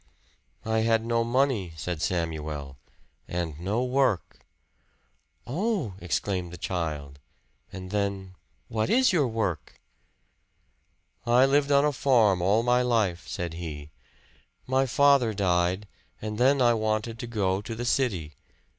"I had no money," said Samuel, "and no work." "Oh!" exclaimed the child; and then, "What is your work?" "I lived on a farm all my life," said he. "My father died and then I wanted to go to the city.